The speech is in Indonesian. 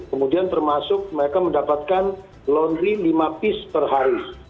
kemudian termasuk mereka mendapatkan laundry lima piece per hari